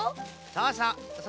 そうそう。